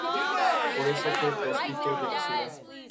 Por eso, fue proscrito de la ciudad.